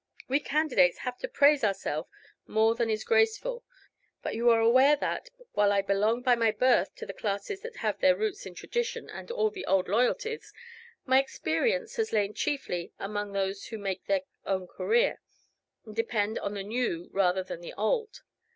We candidates have to praise ourselves more than is graceful; but you are aware that, while I belong by my birth to the classes that have their roots in tradition and all the old loyalties, my experience has lain chiefly among those who make their own career, and depend on the new rather than the old.